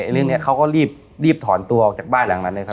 เรื่องนี้เขาก็รีบถอนตัวออกจากบ้านหลังนั้นเลยครับ